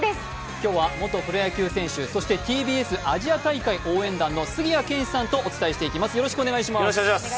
今日は元プロ野球選手、そしてＴＢＳアジア大会応援団の杉谷拳士さんとお伝えしていきます。